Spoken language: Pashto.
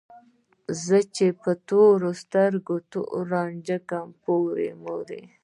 زه چې په تورو سترګو تور رانجه کړم پورې مورې